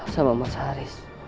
sama mas haris